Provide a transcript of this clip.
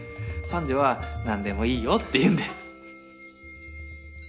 三女は「何でもいいよ」って言うんです。